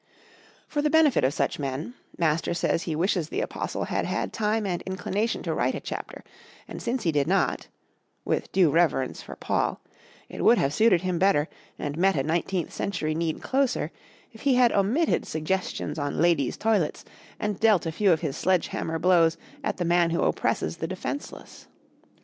For the benefit of such men, Master says he wishes the apostle had had time and inclination to write a chapter, and since he did not with due reverence for Paul it would have suited him better, and met a nineteenth century need closer, if he had omitted suggestions on ladies' toilets and dealt a few of his sledge hammer blows at the man who oppresses the defenseless.